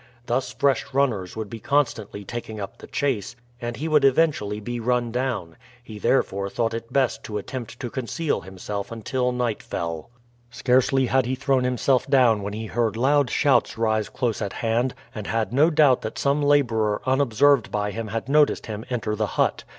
Thus fresh runners would be constantly taking up the chase, and he would eventually be run down; he therefore thought it best to attempt to conceal himself until night fell. Scarcely had he thrown himself down when he heard loud shouts rise close at hand, and had no doubt that some laborer unobserved by him had noticed him enter the hut.